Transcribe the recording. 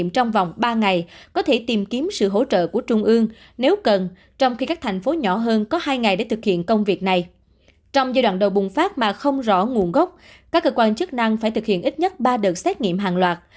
trong giai đoạn đầu bùng phát mà không rõ nguồn gốc các cơ quan chức năng phải thực hiện ít nhất ba đợt xét nghiệm hàng loạt